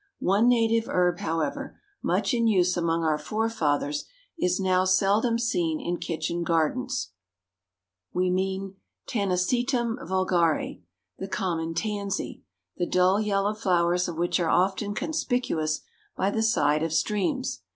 One native herb, however, much in use among our fore fathers is now seldom seen in kitchen gardens we mean Tanacetum vulgare, the common tansy, the dull yellow flowers of which are often conspicuous by the side of streams.